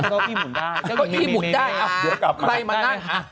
เจ้าก็อี้หมุนได้เอาไว้มานั่งค่ะโอ้เดี๋ยวกลับมา